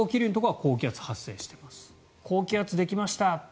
高気圧できました